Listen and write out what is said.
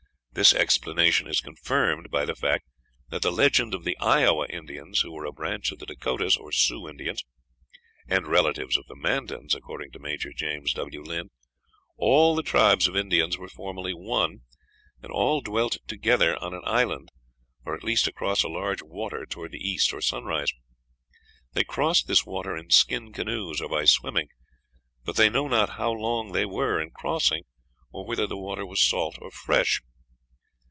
This explanation is confirmed by the fact that in the legends of the Iowa Indians, who were a branch of the Dakotas, or Sioux Indians, and relatives of the Mandans (according to Major James W. Lynd), "all the tribes of Indians were formerly one, and all dwelt together on an island, or at least across a large water toward the east or sunrise. They crossed this water in skin canoes, or by swimming; but they know not how long they were in crossing, or whether the water was salt or fresh."